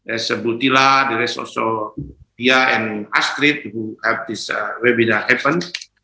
ada butila ada juga pia dan astrid yang membantu webinar ini berjalan